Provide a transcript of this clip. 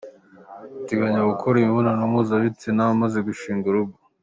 Ateganya gukora imibonano mpuzabitsina amaze gushinga urugo.